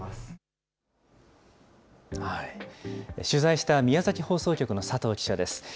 取材した宮崎放送局の佐藤記者です。